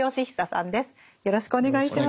よろしくお願いします。